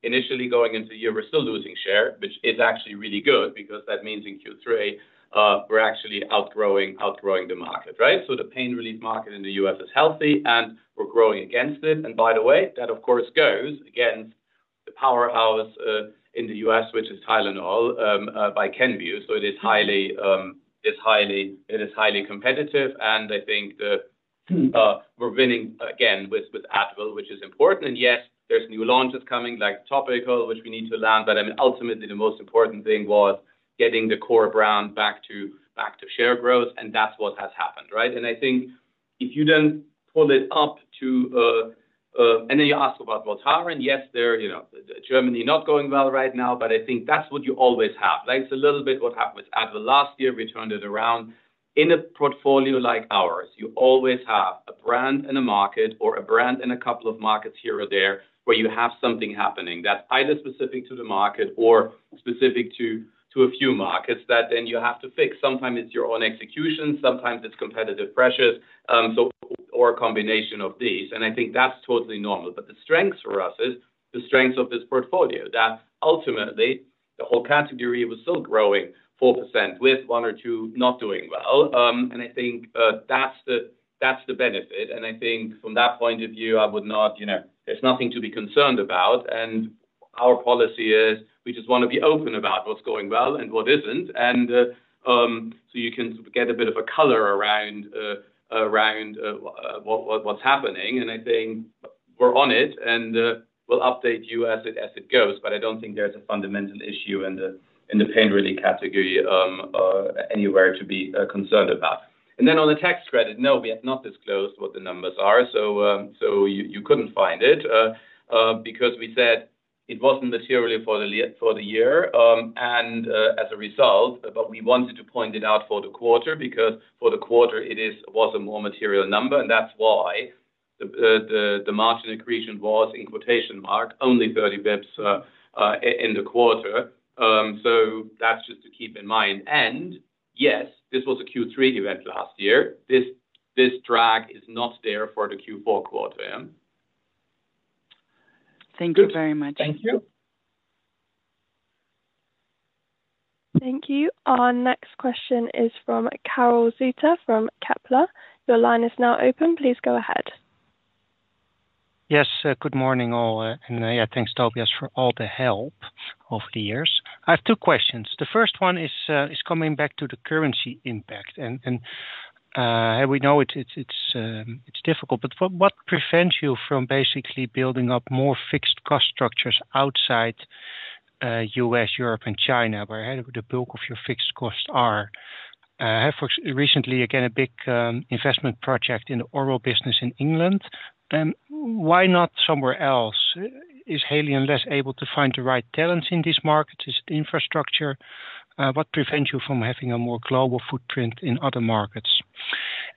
initially going into the year, we're still losing share, which is actually really good because that means in Q3, we're actually outgrowing the market, right? So the pain relief market in the U.S. is healthy, and we're growing against it. And by the way, that, of course, goes against the powerhouse in the U.S., which is Tylenol by Kenvue. So it is highly competitive. And I think we're winning again with Advil, which is important. And yes, there's new launches coming like topical, which we need to land. But I mean, ultimately, the most important thing was getting the core brand back to share growth. And that's what has happened, right? And I think if you don't pull it up, too, and then you ask about Voltaren, yes, Germany not going well right now, but I think that's what you always have. It's a little bit what happened with Advil last year. We turned it around. In a portfolio like ours, you always have a brand in a market or a brand in a couple of markets here or there where you have something happening that's either specific to the market or specific to a few markets that then you have to fix. Sometimes it's your own execution. Sometimes it's competitive pressures or a combination of these. And I think that's totally normal. But the strength for us is the strength of this portfolio that ultimately the whole category was still growing 4% with one or two not doing well. And I think that's the benefit. And I think from that point of view, I would not. There's nothing to be concerned about. And our policy is we just want to be open about what's going well and what isn't. And so you can get a bit of a color around what's happening. And I think we're on it, and we'll update you as it goes. But I don't think there's a fundamental issue in the pain relief category anywhere to be concerned about. And then on the tax credit, no, we have not disclosed what the numbers are. So you couldn't find it because we said it wasn't material for the year. And as a result, but we wanted to point it out for the quarter because for the quarter, it was a more material number. And that's why the margin accretion was, in quotation marks, only 30 basis points in the quarter. So that's just to keep in mind. And yes, this was a Q3 event last year. This drag is not there for the Q4 quarter. Thank you very much. Thank you. Thank you. Our next question is from Karel Zoete from Kepler Cheuvreux. Your line is now open. Please go ahead. Yes. Good morning, all. And yeah, thanks, Tobias, for all the help over the years. I have two questions. The first one is coming back to the currency impact. And we know it's difficult. But what prevents you from basically building up more fixed cost structures outside U.S., Europe, and China, where the bulk of your fixed costs are? I have recently, again, a big divestment project in the oral business in England. And why not somewhere else? Is Haleon able to find the right talents in these markets? Is it infrastructure? What prevents you from having a more global footprint in other markets?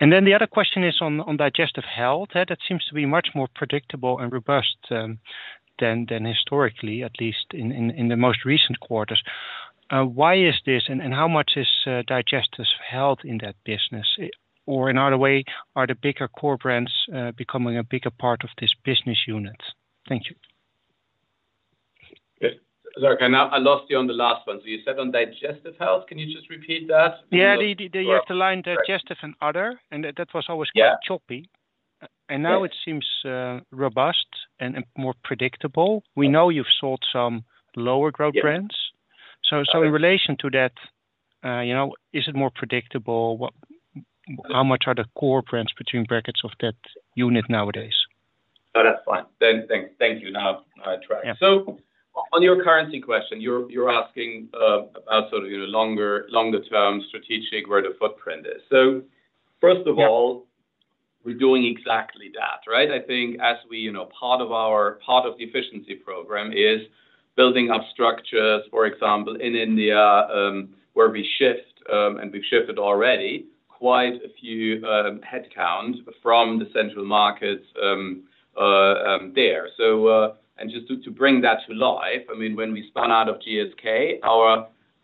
And then the other question is on digestive health. That seems to be much more predictable and robust than historically, at least in the most recent quarters. Why is this? And how much is digestive health in that business? Or in other way, are the bigger core brands becoming a bigger part of this business unit? Thank you. I lost you on the last one. So you said on digestive health, can you just repeat that? Yeah, the underlying digestive and other. And that was always quite choppy. And now it seems robust and more predictable. We know you've sold some lower growth brands. So in relation to that, is it more predictable? How much are the core brands between brackets of that unit nowadays? No, that's fine. Thank you. Now, I try. So on your currency question, you're asking about sort of longer-term strategic where the footprint is. So first of all, we're doing exactly that, right? I think as we part of the efficiency program is building up structures, for example, in India, where we shift, and we've shifted already quite a few headcounts from the central markets there. And just to bring that to life, I mean, when we spun out of GSK,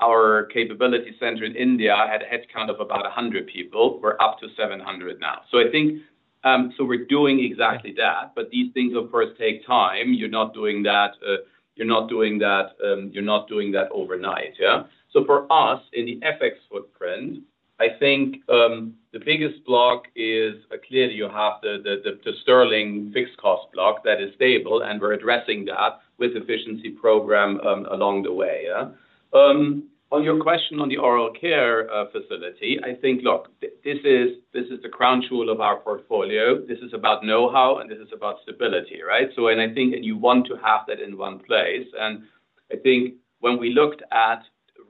our capability center in India had a headcount of about 100 people. We're up to 700 now. So I think so we're doing exactly that. But these things, of course, take time. You're not doing that. You're not doing that. You're not doing that overnight. So for us, in the FX footprint, I think the biggest block is clearly you have the sterling fixed cost block that is stable. And we're addressing that with efficiency program along the way. On your question on the oral care facility, I think, look, this is the crown jewel of our portfolio. This is about know-how, and this is about stability, right? And I think you want to have that in one place. And I think when we looked at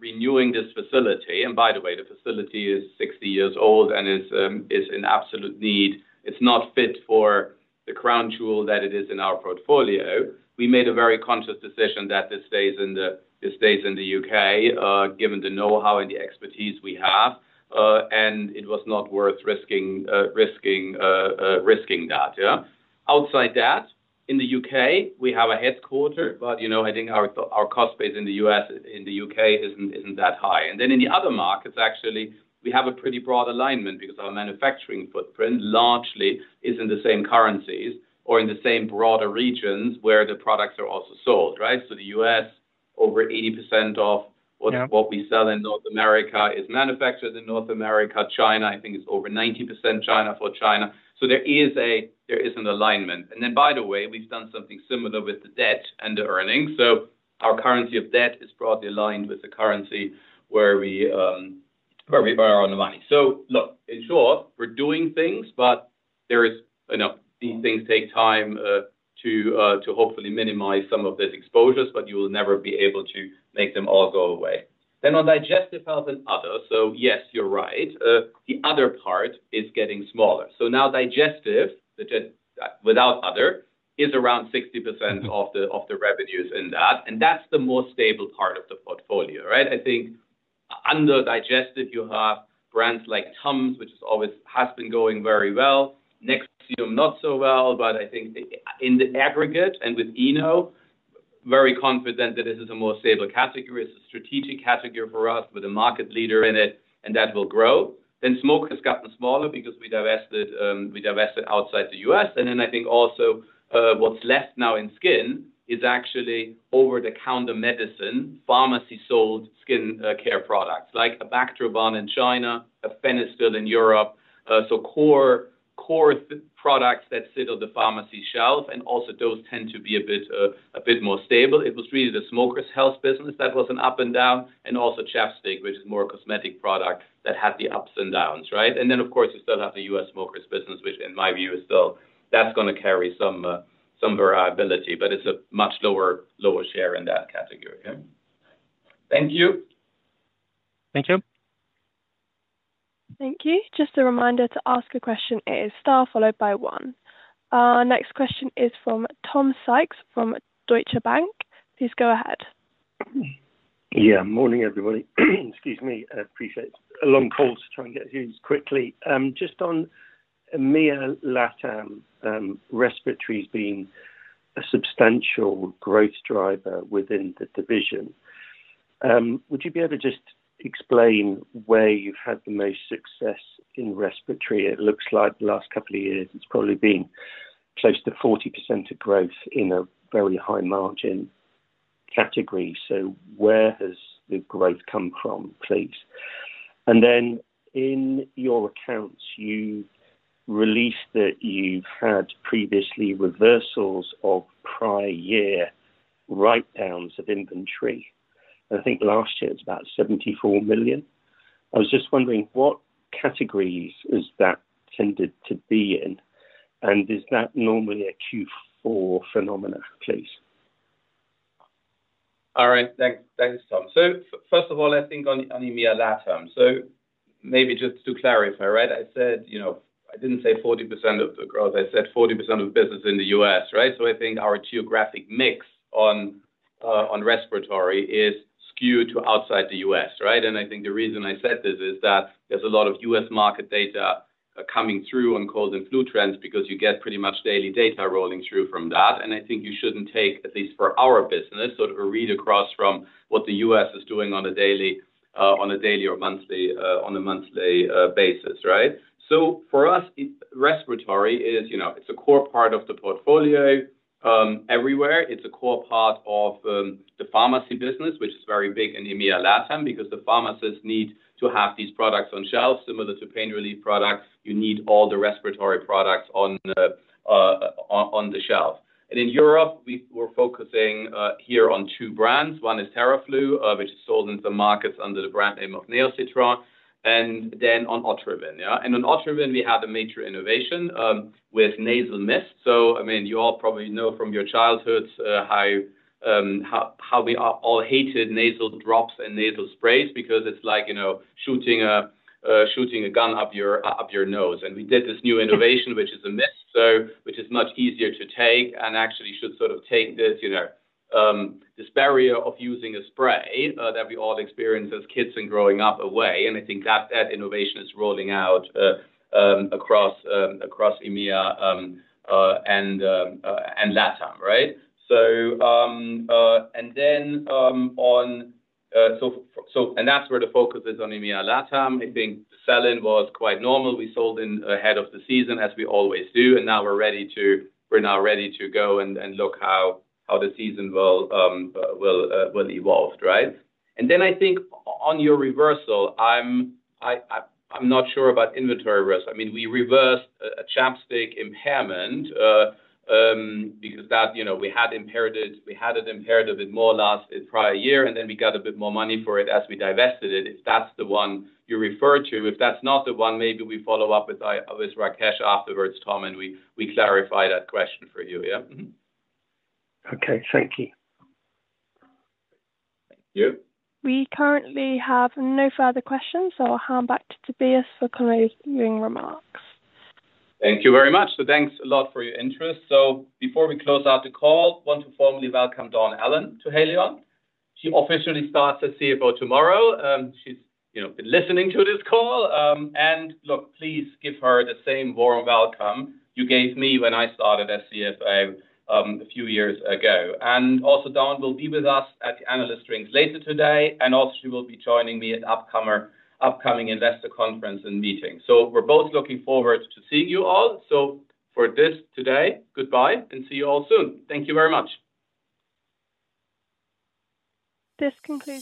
renewing this facility, and by the way, the facility is 60 years old and is in absolute need. It's not fit for the crown jewel that it is in our portfolio. We made a very conscious decision that this stays in the U.K., given the know-how and the expertise we have. And it was not worth risking that. Outside that, in the U.K., we have a headquarters. But I think our cost base in the U.K. isn't that high. And then in the other markets, actually, we have a pretty broad alignment because our manufacturing footprint largely is in the same currencies or in the same broader regions where the products are also sold, right? So the U.S., over 80% of what we sell in North America is manufactured in North America. China, I think, is over 90% China for China. So there is an alignment. And then, by the way, we've done something similar with the debt and the earnings. So our currency of debt is broadly aligned with the currency where we borrow the money. So look, in short, we're doing things, but these things take time to hopefully minimize some of these exposures, but you will never be able to make them all go away. Then on digestive health and others, so yes, you're right. The other part is getting smaller. So now digestive, without other, is around 60% of the revenues in that. And that's the more stable part of the portfolio, right? I think under digestive, you have brands like Tums, which has been going very well. Nexium, not so well. But I think in the aggregate and with Eno, very confident that this is a more stable category. It's a strategic category for us with a market leader in it, and that will grow. Then smoke has gotten smaller because we divested outside the U.S. And then I think also what's left now in skin is actually over-the-counter medicine, pharmacy-sold skin care products like a Bactroban in China, a Fenistil in Europe. So core products that sit on the pharmacy shelf. And also those tend to be a bit more stable. It was really the smoker's health business that was an up and down, and also ChapStick, which is more a cosmetic product that had the ups and downs, right? And then, of course, you still have the US smoker's business, which in my view is still that's going to carry some variability. But it's a much lower share in that category. Thank you. Thank you. Thank you. Just a reminder to ask a question is star followed by one. Our next question is Tom Sykes from Deutsche Bank. Please go ahead. Yeah. Morning, everybody. Excuse me. I appreciate a long pause trying to get through these quickly. Just on LATAM, respiratory has been a substantial growth driver within the division. Would you be able to just explain where you've had the most success in respiratory? It looks like the last couple of years, it's probably been close to 40% of growth in a very high margin category. So where has the growth come from, please? And then in your accounts, you released that you've had previously reversals of prior year write-downs of inventory. I think last year it was about 74 million. I was just wondering what categories has that tended to be in? And is that normally a Q4 phenomenon, please? All right. Thanks, Tom. So first of all, I think on LATAM. So maybe just to clarify, right? I didn't say 40% of the growth. I said 40% of the business in the U.S., right? So I think our geographic mix on respiratory is skewed to outside the U.S., right? I think the reason I said this is that there's a lot of U.S. market data coming through on cold and flu trends because you get pretty much daily data rolling through from that. And I think you shouldn't take, at least for our business, sort of a read across from what the U.S. is doing on a daily or monthly basis, right? So for us, respiratory, it's a core part of the portfolio everywhere. It's a core part of the pharmacy business, which is very big in EMEA LATAM because the pharmacists need to have these products on shelf similar to pain relief products. You need all the respiratory products on the shelf. And in Europe, we're focusing here on two brands. One is Theraflu, which is sold in some markets under the brand name of NeoCitran, and then on Otrivin. On Otrivin we have a major innovation with nasal mist. So I mean, you all probably know from your childhoods how we all hated nasal drops and nasal sprays because it's like shooting a gun up your nose. And we did this new innovation, which is a mist, which is much easier to take and actually should sort of take this barrier of using a spray that we all experience as kids and growing up away. And I think that innovation is rolling out across EMEA and LATAM, right? And then, so that's where the focus is on EMEA, LATAM. I think the selling was quite normal. We sold in ahead of the season, as we always do. And now we're now ready to go and look how the season will evolve, right? And then I think on your reversal, I'm not sure about inventory reversal. I mean, we reversed a ChapStick impairment because we had an impairment writedown in the prior year, and then we got a bit more money for it as we divested it. If that's the one you refer to, if that's not the one, maybe we follow up with IR's Rakesh afterwards, Tom, and we clarify that question for you, yeah? Okay. Thank you. Thank you. We currently have no further questions. So I'll hand back to Tobias for closing remarks. Thank you very much. So thanks a lot for your interest. So before we close out the call, I want to formally welcome Dawn Allen to Haleon. She officially starts as CFO tomorrow. She's been listening to this call. And look, please give her the same warm welcome you gave me when I started as CFO a few years ago. And also, Dawn will be with us at the Analyst Rings later today. And also, she will be joining me at upcoming investor conference and meeting. So we're both looking forward to seeing you all. So for this today, goodbye, and see you all soon. Thank you very much. This concludes.